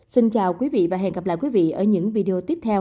xin chào quý vị và hẹn gặp lại quý vị ở những video tiếp theo